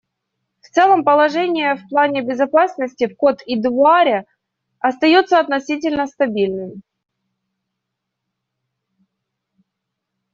В целом, положение в плане безопасности в Кот-д'Ивуаре остается относительно стабильным.